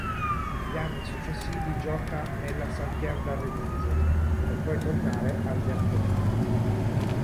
Negli anni successivi gioca nella Sampierdarenese, per poi tornare al Derthona.